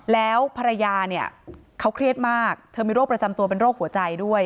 แล้วภรรยาเนี่ยเขาเครียดมากเธอมีโรคประจำตัวเป็นโรคหัวใจด้วย